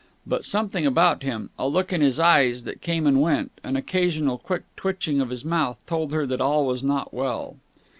But something about him, a look in his eyes that came and went, an occasional quick twitching of his mouth, told her that all was not well.